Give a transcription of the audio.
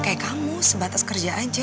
kayak kamu sebatas kerja aja